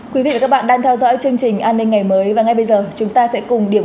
quý vị và các bạn đang theo dõi chương trình an ninh ngày mới và ngay bây giờ chúng ta sẽ cùng điểm